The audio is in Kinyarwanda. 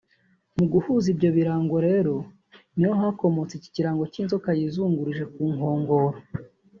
Mu guhuza ibyo birango rero ni ho hakomotse iki kirango cy’inzoka yizungurije ku nkongoro